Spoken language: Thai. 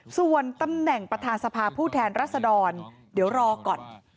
ส่วนตำแหน่งประธานสภาผู้แทนรัศดรเดี๋ยวรอก่อน